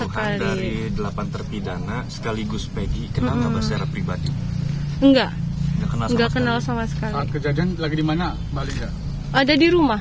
kebetulan ada di rumah